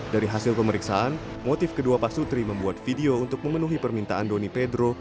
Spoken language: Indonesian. dari hasil pemeriksaan motif kedua pak sutri membuat video untuk memenuhi permintaan doni pedro